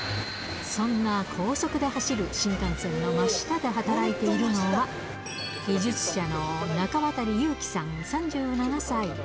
そんな高速で走る新幹線の真下で働いているのは、技術者の中渡祐樹さん３７歳。